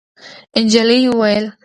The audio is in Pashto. نجلۍ وویل: